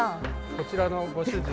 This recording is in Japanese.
こちらのご主人が。